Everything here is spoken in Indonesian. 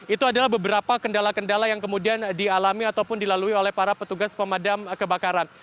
itu adalah beberapa kendala kendala yang kemudian dialami ataupun dilalui oleh para petugas pemadam kebakaran